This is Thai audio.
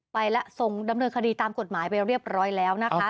ไปแล้วส่งดำเนินคดีตามกฎหมายไปเรียบร้อยแล้วนะคะ